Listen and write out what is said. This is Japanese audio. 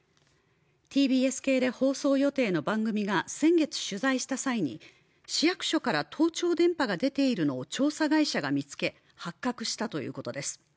ＴＢＳ系で放送予定の番組が先月取材した際に、市役所から盗聴電波が出ているのを調査会社が見つけ、発覚したということです。